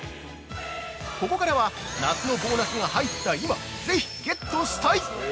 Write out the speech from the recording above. ここからは、夏のボーナスが入った今、ぜひゲットしたい！